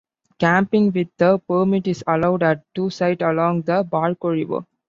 Camping with a permit is allowed at two site along the Barcoo River.